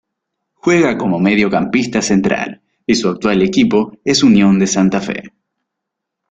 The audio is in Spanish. Juega como mediocampista central y su actual equipo es Unión de Santa Fe.